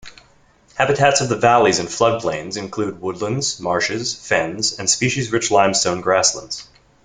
Habitats of the valleys and floodplains include woodlands, marshes, fens and species-rich limestone grasslands.